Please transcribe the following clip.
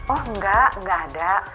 oh enggak enggak ada